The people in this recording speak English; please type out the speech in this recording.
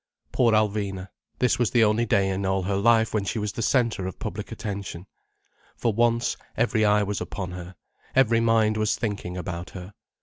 Poor Alvina, this was the only day in all her life when she was the centre of public attention. For once, every eye was upon her, every mind was thinking about her.